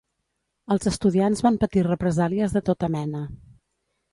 Els estudiants van patir represàlies de tota mena.